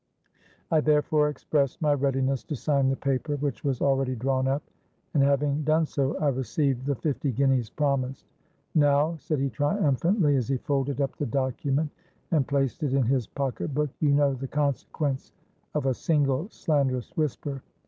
I therefore expressed my readiness to sign the paper, which was already drawn up; and, having done so, I received the fifty guineas promised.—'Now,' said he triumphantly, as he folded up the document and placed it in his pocket book, 'you know the consequence of a single slanderous whisper!'